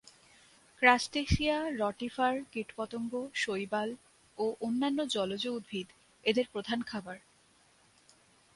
Crustacea, rotifer, কীটপতঙ্গ, শৈবাল ও অন্যান্য জলজ উদ্ভিদ এদের প্রধান খাবার।